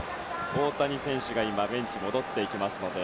大谷選手が今ベンチに戻っていきますので。